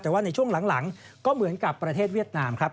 แต่ว่าในช่วงหลังก็เหมือนกับประเทศเวียดนามครับ